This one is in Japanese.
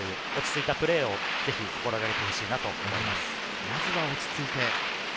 落ち着いたプレーを心がけてほしいと思います。